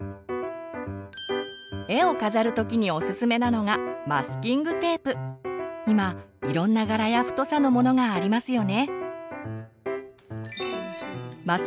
絵を飾る時におすすめなのが今いろんな柄や太さのものがありますよね。